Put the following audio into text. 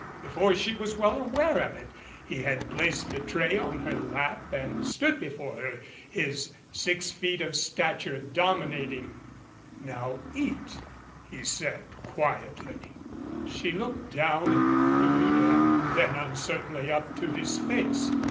Before she was well aware of it, he had placed the tray on her lap, and stood before her, his six feet of stature domi nating. "Now eat !" he said, quietly. She looked down at the food and then uncertainly up to his face.